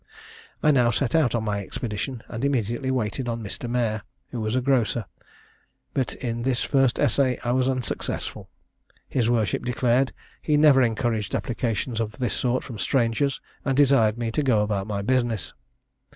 I now set out on my expedition, and immediately waited on Mr. Mayor, who was a grocer; but in this first essay I was unsuccessful. His worship declared he never encouraged applications of this sort from strangers; and desired me to go about my business.